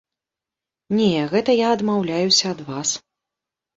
Не, гэта я адмаўляюся ад вас.